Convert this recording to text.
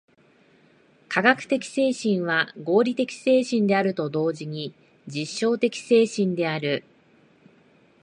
科学的精神は合理的精神であると同時に実証的精神である。